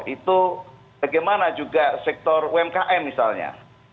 itu bagaimana juga sektor umkm misalnya